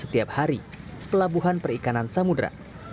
setiap hari pelabuhan perikanan samudera